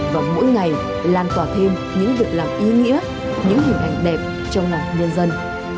và mỗi ngày lan tỏa thêm những việc làm ý nghĩa những hình ảnh đẹp trong lòng nhân dân